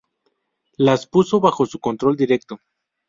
Las puso bajo su control directo.